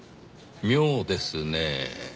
妙ですねぇ。